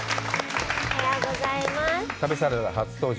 旅サラダ初登場。